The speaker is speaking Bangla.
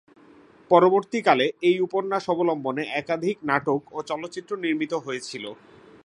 পরবর্তীকালে এই উপন্যাস অবলম্বনে একাধিক নাটক ও চলচ্চিত্র নির্মিত হয়েছিল।